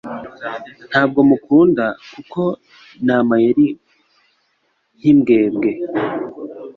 Ntabwo mukunda kuko ni amayeri nkimbwebwe.